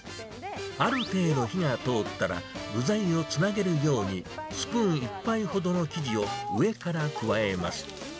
ある程度火が通ったら、具材をつなげるように、スプーン１杯ほどの生地を上から加えます。